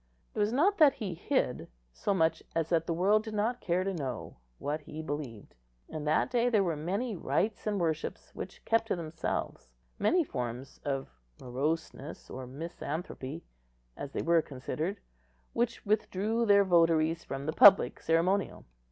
It was not that he hid, so much as that the world did not care to know, what he believed. In that day there were many rites and worships which kept to themselves—many forms of moroseness or misanthropy, as they were considered, which withdrew their votaries from the public ceremonial.